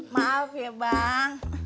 maaf ya bang